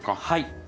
はい。